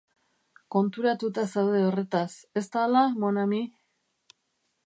Konturatuta zaude horretaz, ez da hala mon ami?